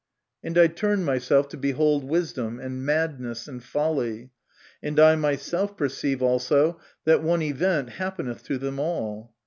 "And I turned myself to behold wisdom, and madness, and folly. ... And I myself perceive also that one event happeneth to them all.